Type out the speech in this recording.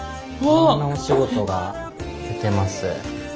いろんなお仕事が出てます。